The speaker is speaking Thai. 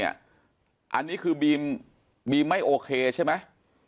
อันนี้คือบีมไม่โอเคใช่มั้ย